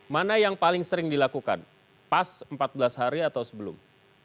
mana yang paling sering dilakukan pas empat belas hari atau sebelum